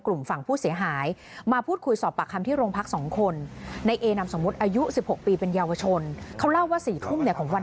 กระทบชาวบ้านด้วยครับเพราะว่ามันไล่ปลาไปทั่วเลย๓วัน